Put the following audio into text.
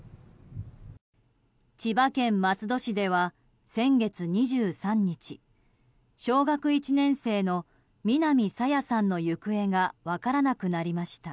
千葉県松戸市では先月２３日小学１年生の南朝芽さんの行方が分からなくなりました。